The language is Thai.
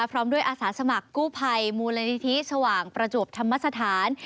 พร้อมด้วยอาสาสมัครกู้ภัยมูลนิธิสว่างประจวบธรรมสถาน